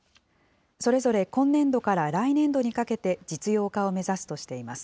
それぞれ今年度から来年度にかけて、実用化を目指すとしています。